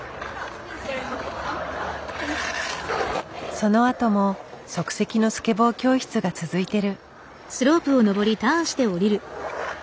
そのあとも即席のスケボー教室が続いてる。